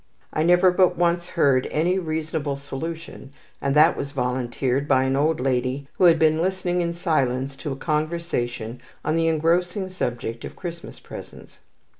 I never but once heard any reasonable solution, and that was volunteered by an old lady who had been listening in silence to a conversation on the engrossing subject of Christmas presents.